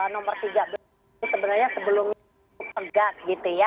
nomor tiga belas itu sebenarnya sebelumnya itu pegat gitu ya